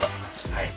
はい。